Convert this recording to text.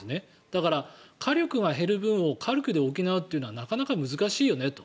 だから、火力が減る分を火力で補うというのはなかなか難しいよねと。